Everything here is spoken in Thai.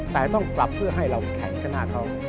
แต่ต้องปรับเพื่อให้เราแข็งชนะเขา